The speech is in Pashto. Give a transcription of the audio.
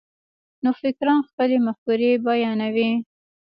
نوفکران خپلې مفکورې بیانوي.